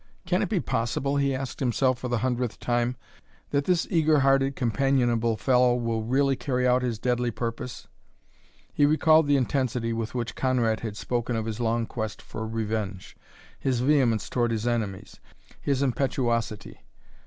"Can it be possible," he asked himself for the hundredth time, "that this eager hearted, companionable fellow will really carry out his deadly purpose?" He recalled the intensity with which Conrad had spoken of his long quest for revenge, his vehemence toward his enemies, his impetuosity.